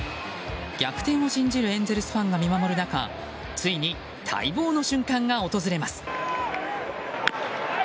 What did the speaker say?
逆転を信じるエンゼルスファンが見守る中ついに待望の瞬間が訪れます。